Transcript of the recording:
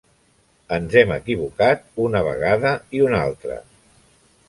Ens hem equivocat una vegada i una altra..